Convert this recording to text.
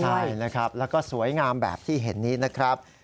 ใช่นะครับแล้วก็สวยงามแบบที่เห็นนี้นะครับ